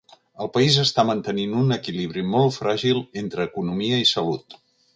El país està mantenint un equilibri molt fràgil entre economia i salut.